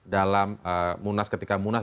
dalam munas ketika munas